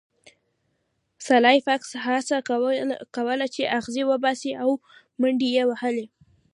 سلای فاکس هڅه کوله چې اغزي وباسي او منډې یې وهلې